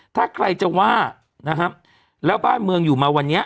ถ้าใครจะว่านะครับแล้วบ้านเมืองอยู่มาวันนี้